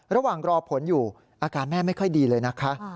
ระหว่างรอผลอยู่อาการแม่ไม่ค่อยดีเลยนะคะ